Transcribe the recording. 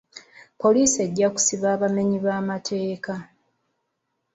Poliisi ejja kusiba abamenyi b'amateeka .